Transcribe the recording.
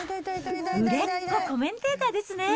売れっ子コメンテーターですね。